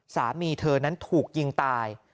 สามีเธอนั้นถูกยิงตาย